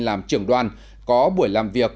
làm trưởng đoàn có buổi làm việc